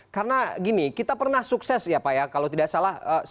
karena gini kita pernah sukses ya pak ya kalau tidak salah